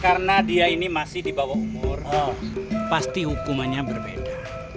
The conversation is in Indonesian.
karena dia ini masih di bawah umur pasti hukumannya berbeda